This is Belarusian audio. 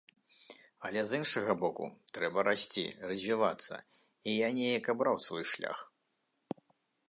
Але з іншага боку, трэба расці, развівацца, і я неяк абраў свой шлях.